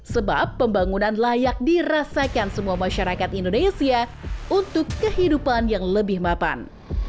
sebab pembangunan layak dirasakan semua masyarakat indonesia untuk kehidupan yang lebih mapan